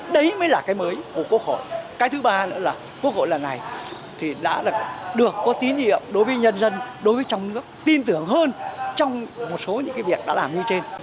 đấy mới là cái mới của quốc hội cái thứ ba nữa là quốc hội lần này thì đã được có tín hiệu đối với nhân dân đối với trong nước tin tưởng hơn trong một số những cái việc đã làm như trên